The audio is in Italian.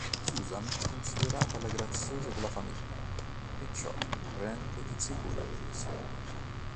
Susan è considerata "la graziosa della famiglia", e ciò rende insicura Lucy.